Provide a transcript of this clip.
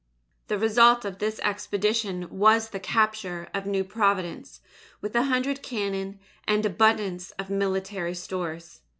The result of this expedition was the capture of New Providence with a hundred cannon and abundance of military stores.